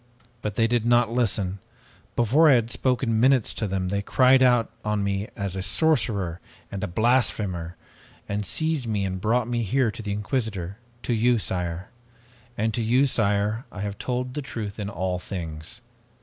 "But they did not listen. Before I had spoken minutes to them they cried out on me as a sorcerer and a blasphemer, and seized me and brought me here to the Inquisitor, to you, sire. And to you, sire, I have told the truth in all things.